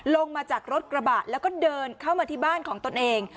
ลงมาจากรถกระบะแล้วก็เดินเข้ามาที่บ้านของตนเอง